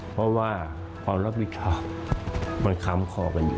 เพราะว่าความรับผิดชอบมันค้ำคอกันอยู่